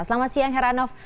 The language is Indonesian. selamat siang heranov